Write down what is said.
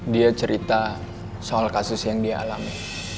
dia cerita soal kasus yang dia alami